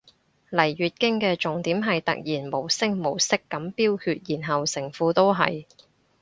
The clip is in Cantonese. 嚟月經嘅重點係突然無聲無息噉飆血然後成褲都係